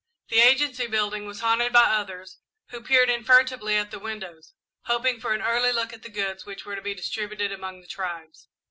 The Agency building was haunted by others, who peered in furtively at the windows, hoping for an early look at the goods which were to be distributed among the tribes.